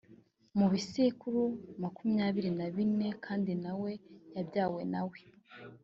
mu bisekuru makumyabiri na bine kandi na we yabyawe na we